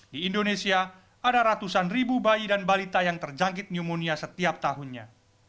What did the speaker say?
di indonesia ada ratusan ribu bayi dan balita yang terjangkit pneumonia setiap tahunnya